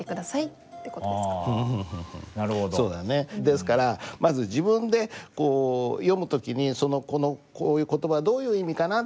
ですからまず自分でこう読む時にこのこういう言葉どういう意味かな？